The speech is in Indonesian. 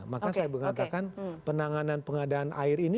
maka saya mengatakan penanganan pengadaan air ini